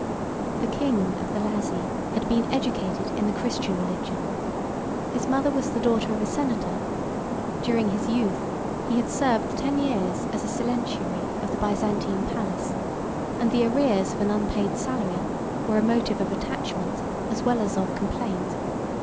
8611 The king of the Lazi had been educated in the Christian religion; his mother was the daughter of a senator; during his youth he had served ten years a silentiary of the Byzantine palace, 87 and the arrears of an unpaid salary were a motive of attachment as well as of complaint.